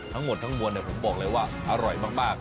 ทั้งหมดทั้งมวลผมบอกเลยว่าอร่อยมาก